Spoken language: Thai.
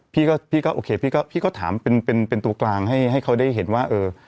พี่ก็โอเคพี่ก็ถามเป็นตัวกลางให้เขาได้เห็นว่า